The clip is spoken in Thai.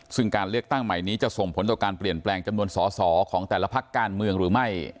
ซึ่งการเลือกตั้งใหม่นี้จะส่งผลต่อการเปลี่ยนแปลงจำนวนสอสอของแต่ละพักการเมืองหรือไม่